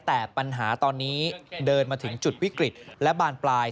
แต่ปัญหาตอนนี้เดินมาถึงจุดวิกฤตและบานปลาย